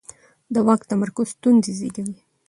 د واک تمرکز ستونزې زېږوي